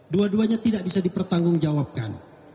dua duanya tidak bisa dipertanggung jawabkan